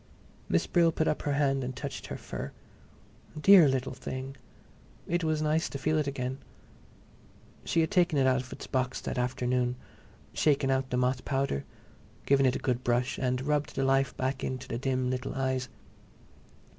Miss Brill put up her hand and touched her fur. Dear little thing! It was nice to feel it again. She had taken it out of its box that afternoon, shaken out the moth powder, given it a good brush, and rubbed the life back into the dim little eyes.